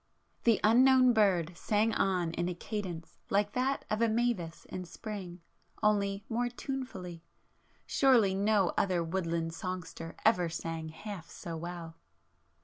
... The unknown bird sang on in a cadence like that of a mavis in spring, only more tunefully,—surely no other woodland songster ever sang half so well!